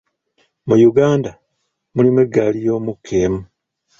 Mu Uganda mulimu eggaali y’omukka emu.